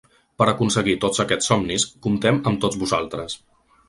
Per aconseguir tots aquests somnis, comptem amb tots vosaltres.